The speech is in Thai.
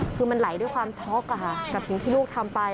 คือมันไหลด้วยความช็อกกับสิ่งที่ลูกทำไป